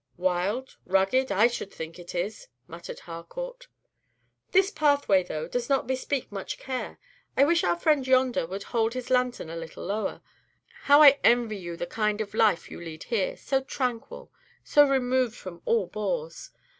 "Wild rugged! I should think it is," muttered Harcourt. "This pathway, though, does not bespeak much care. I wish our friend yonder would hold his lantern a little lower. How I envy you the kind of life you lead here, so tranquil, so removed from all bores!